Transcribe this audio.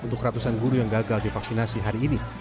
untuk ratusan guru yang gagal divaksinasi hari ini